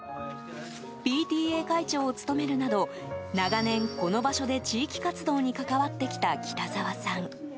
ＰＴＡ会長を務めるなど長年、この場所で地域活動に関わってきた北澤さん。